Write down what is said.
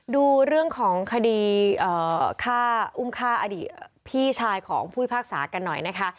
ดูเรื่องของคดีฆ่าอุ้มฆ่าอดีตพี่ชายของผู้พิพากษากันหน่อยนะคะ